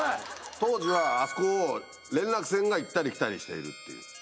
当時はあそこを連絡船が行ったり来たりしているっていう。